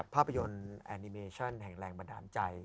ภาพยนตร์แอนิเมชั่นแห่งแรงบันดาลใจ